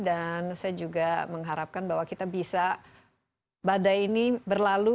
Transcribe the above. dan saya juga mengharapkan bahwa kita bisa badai ini berlalu